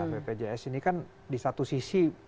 bpjs ini kan di satu sisi